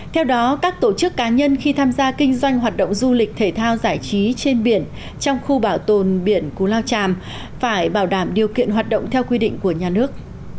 theo đó các tổ chức cá nhân khi tham gia kinh doanh hoạt động du lịch thể thao giải trí trên biển trong khu bảo tồn biển cú lao chàm phải bảo đảm điều kiện hoạt động theo quy định của nhà nước